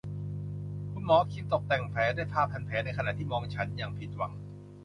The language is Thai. คุณหมอคิมตกแต่งแผลด้วยผ้าพันแผลในขณะที่มองฉันอย่างผิดหวัง